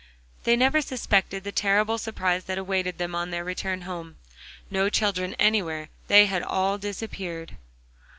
They never suspected the terrible surprise that awaited them on their return home. No children anywhere, they had all disappeared!